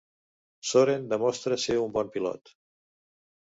Soren demostra ser un bon pilot.